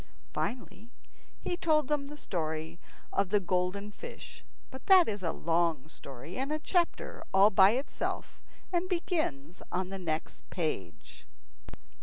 Finally, he told them the story of the Golden Fish. But that is a long story, and a chapter all by itself, and begins on the next page.